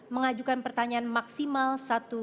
mengajukan pertanyaan maksimal satu lima menit